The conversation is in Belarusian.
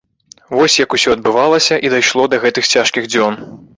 Вось як усё адбывалася і дайшло да гэтых цяжкіх дзён.